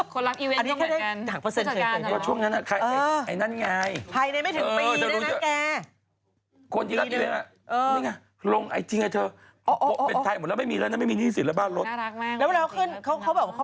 คนรักอย่างนั้นเหมือนกัน